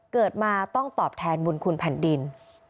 เกิดมาต้องตอบแทนบุญคุณแผ่นดิน